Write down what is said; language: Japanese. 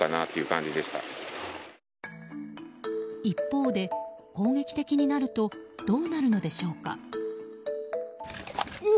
一方で、攻撃的になるとどうなるのでしょうか。